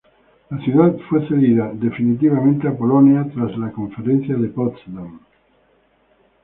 La ciudad fue cedida definitivamente a Polonia tras la Conferencia de Potsdam.